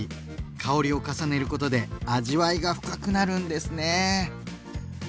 香りを重ねることで味わいが深くなるんですね。